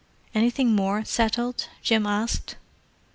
"Anything more settled?" Jim asked.